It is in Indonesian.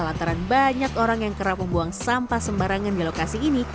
lantaran banyak orang yang kerap membuang sampah sembarangan di lokasi ini